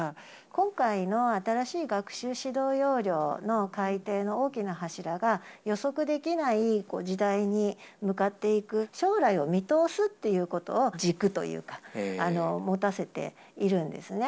今回の新しい学習指導要領の改訂の大きな柱が、予測できない時代に向かっていく、将来を見通すということを軸というか、持たせているんですね。